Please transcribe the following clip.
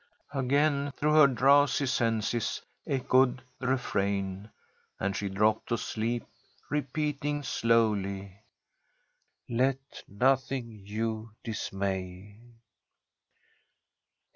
Again through her drowsy senses echoed the refrain, and she dropped to sleep, repeating, slowly, "'Let nothing you dismay!'"